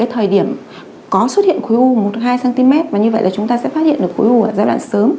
thời điểm có xuất hiện khối u một hai cm và như vậy là chúng ta sẽ phát hiện được khối u ở giai đoạn sớm